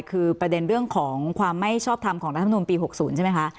คือประเด็นเรื่องของความไม่ชอบทำของรัฐมนุนปี๖๐ใช่ไหมคะ